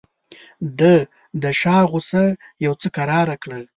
ده د شاه غوسه یو څه کراره کړه.